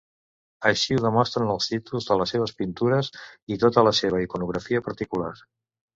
Així ho demostren els títols de les seves pintures i tota la seva iconografia particular.